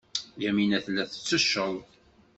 Yamina tella tettecceḍ.